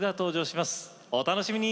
お楽しみに！